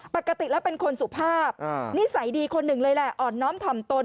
ปกติแล้วเป็นคนสุภาพนิสัยดีคนหนึ่งเลยแหละอ่อนน้อมถ่อมตน